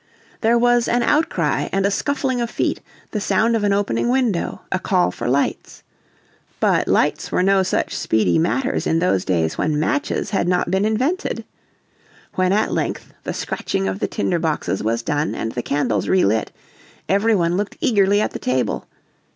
There was an outcry and a scuffling of feet, the sound of an opening window, a call for lights. But lights were no such speedy matters in those days when matches had not been invented. When at length the scratching of the tinder boxes was done and the candles relit, every one looked eagerly at the table.